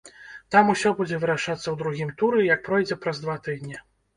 Там усё будзе вырашацца ў другім туры, які пройдзе праз два тыдні.